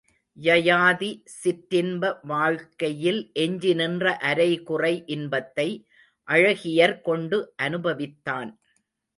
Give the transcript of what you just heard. யயாதி சிற்றின்ப வாழ்க்கையில் எஞ்சி நின்ற அரைகுறை இன்பத்தை அழகியர் கொண்டு அனுபவித்தான்.